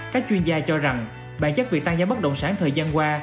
các chuyên gia cho rằng bản chất việc tăng giá bất động sản thời gian qua